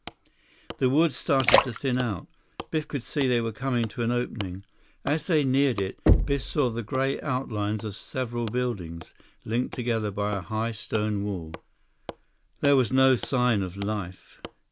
The woods started to thin out. Biff could see they were coming to an opening. As they neared it, Biff saw the gray outlines of several buildings, linked together by a high stone wall. There was no sign of life.